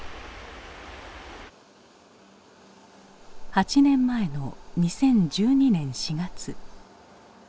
８年前の２０１２年４月。